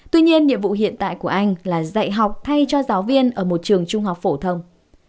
tuy nhiên nhiệm vụ hiện tại của anh là dạy học thay cho giáo viên ở một trường trung học phổ thông